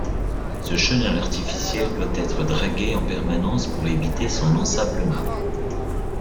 Ce chenal artificiel doit être dragué en permanence pour éviter son ensablement.